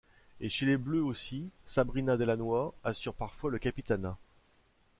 Et chez les Bleues aussi, Sabrina Delannoy assure parfois le capitanat.